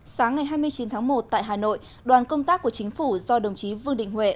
sáng ngày hai mươi chín tháng một tại hà nội đoàn công tác của chính phủ do đồng chí vương đình huệ